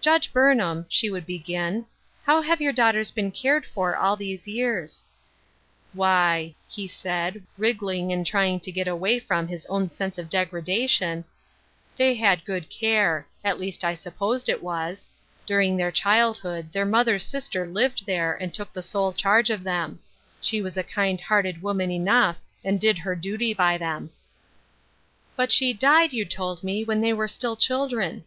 "Judge Burnham," she would begin, "how have your daughters been cared for all these years ?" "Why, " he said, wriggling and trying to get away from his own sense of degradation, " tliey had good care ; at least I supposed it was. During their childhood their motlier's sister lived there, and took the sole charge of them. She was a kind hearted woman enough, and did her duty by them." Duty's Burden, 261 " But she died, you told me, when they were still chDdren."